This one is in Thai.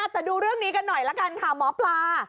แต่ดูเรื่องนี้กันหน่อยละกันค่ะหมอปลา